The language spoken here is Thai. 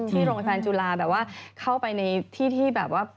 ที่โรงพยาบาลจุฬาแบบว่าเข้าไปในที่ที่แบบว่า